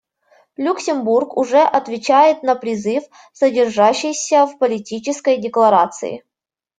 Люксембург уже отвечает на призыв, содержащийся в Политической декларации.